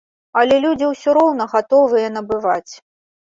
Але людзі ўсё роўна гатовыя набываць.